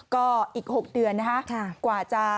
ก็อีก๖เดือนนะคะกว่าจะ